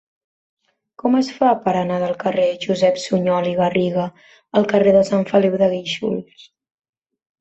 Com es fa per anar del carrer de Josep Sunyol i Garriga al carrer de Sant Feliu de Guíxols?